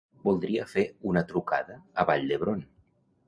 Voldria fer una trucada a Vall d'Hebron.